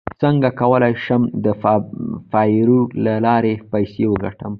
څنګه کولی شم د فایور له لارې پیسې وګټم